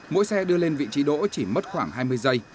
mỗi xe đưa lên vị trí đỗ chỉ mất khoảng hai mươi giây